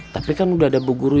tapi saya sudah memiliki guru